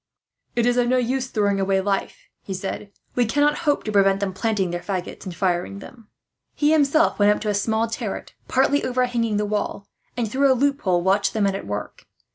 "It is of no use throwing away life," he said. "We cannot hope to prevent them planting their faggots, and firing them." He himself went up into a small turret, partly overhanging the wall and, through a loophole, watched the men at work.